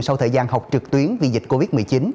sau thời gian học trực tuyến vì dịch covid một mươi chín